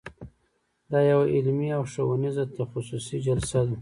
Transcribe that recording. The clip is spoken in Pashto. دا یوه علمي او ښوونیزه تخصصي جلسه ده.